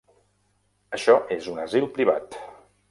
Això és un asil privat!